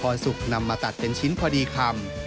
พอสุกนำมาตัดเป็นชิ้นพอดีคำ